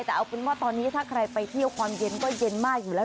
แต่เอาเป็นว่าตอนนี้ถ้าใครไปเที่ยวความเย็นก็เย็นมากอยู่แล้ว